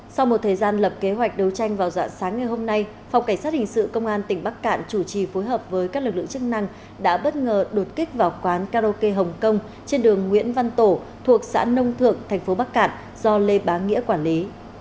sau một thời gian lập kế hoạch đấu tranh vào dạng sáng ngày hôm nay phòng cảnh sát hình sự công an tỉnh bắc cạn chủ trì phối hợp với các lực lượng chức năng đã bất ngờ đột kích vào quán karaoke hồng kông trên đường nguyễn văn tổ thuộc xã nông thượng tp bắc cạn do lê bá nghĩa quản lý